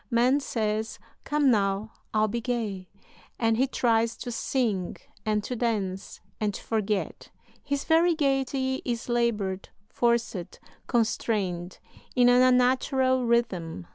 Man says: 'Come now, I'll be gay'; and he tries to sing and to dance and to forget. His very gaiety is labored, forced, constrained, in an unnatural rhythm.